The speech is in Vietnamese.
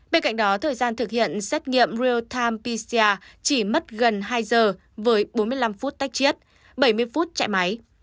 bên cạnh đó thời gian thực hiện xét nghiệm real time pcr chỉ mất gần hai giờ với bốn mươi năm phút tách chiết bảy mươi phút chạy máy